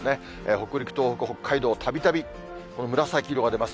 北陸、東北、北海道、たびたびこの紫色が出ます。